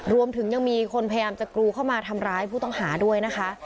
รวมถึงยังมีคนพยายามจะกรูเข้ามาทำร้ายผู้ต้องหาด้วยนะคะ